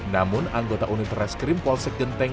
namun anggota unit reskrim polsek genteng